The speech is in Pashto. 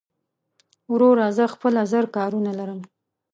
وروره زه خپله زر کارونه لرم